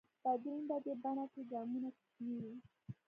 بدلون په دې بڼه کې ګامونه کوچني وي.